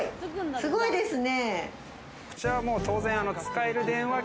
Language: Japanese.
すごいですね。